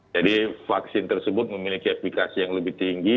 jadi vaksin tersebut memiliki efikasi yang lebih tinggi